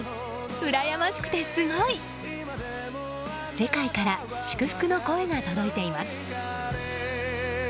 世界から祝福の声が届いています。